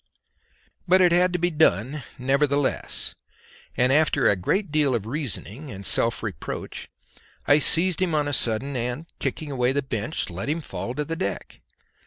But it had to be done, nevertheless; and after a great deal of reasoning and self reproach I seized him on a sudden, and, kicking away the bench, let him fall to the deck.